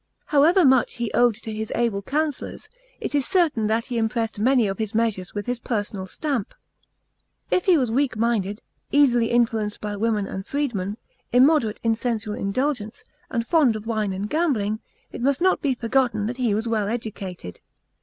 However much he owed to his able councillors, it is certain that he impressed many of his measures with his personal stamp. If he was weakminded, easily influenced by women and freedmen, immoderate in sensual indulgence, and fond of wine and gambling, it must not be forgotten that he was well educated.